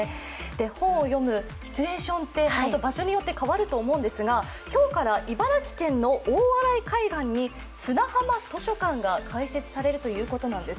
本を読むシチュエーションって場所によって変わると思うんですが今日から茨城県の大洗海岸に砂浜図書館が開設されるということなんです。